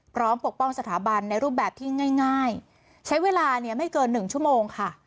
ปกป้องสถาบันในรูปแบบที่ง่ายใช้เวลาเนี่ยไม่เกินหนึ่งชั่วโมงค่ะ